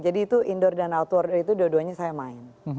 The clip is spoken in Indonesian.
jadi itu indoor dan outdoor itu dua duanya saya main